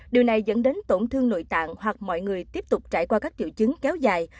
điều này dẫn đến tổn thương nội tạng hoặc mọi người tiếp tục trải qua các triệu chứng kéo dài